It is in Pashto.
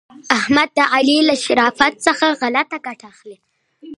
احمد د علي له شرافت څخه غلته ګټه اخلي.